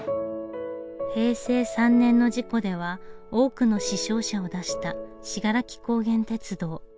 平成３年の事故では多くの死傷者を出した信楽高原鐵道。